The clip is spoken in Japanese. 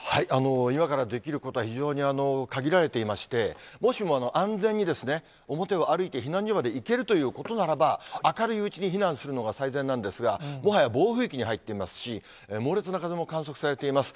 今からできることは、非常に限られていまして、もしも、安全に表を歩いて避難所まで行けるということならば、明るいうちに避難するのが最善なんですが、もはや暴風域に入っていますし、猛烈な風も観測されています。